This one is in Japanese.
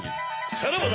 さらばだ！